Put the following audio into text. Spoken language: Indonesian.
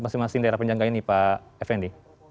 semakin daerah penyangga ini pak fnd